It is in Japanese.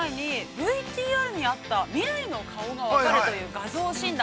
ＶＴＲにあった未来の顔が分かるという画像診断。